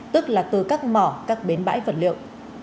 tức là từ các mỏ các bến bãi vật liệu